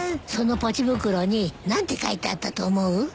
そのポチ袋に何て書いてあったと思う？